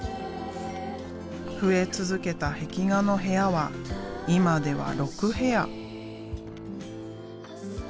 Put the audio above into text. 増え続けた壁画の部屋は今では６部屋。